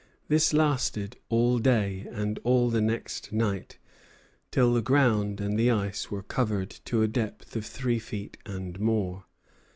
This lasted all day and all the next night, till the ground and the ice were covered to a depth of three feet and more.